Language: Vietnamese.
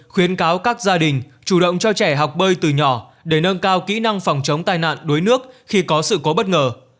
khuyến cáo các gia đình chủ động cho trẻ học bơi từ nhỏ để nâng cao kỹ năng phòng chống tai nạn đuối nước khi có sự cố bất ngờ